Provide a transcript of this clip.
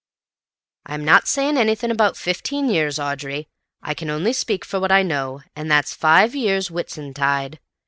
"I'm not saying anything about fifteen years, Audrey. I can only speak for what I know, and that's five years Whitsuntide.